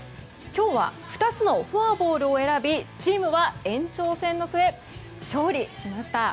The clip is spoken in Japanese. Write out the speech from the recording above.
今日は２つのフォアボールを選びチームは延長戦の末勝利しました。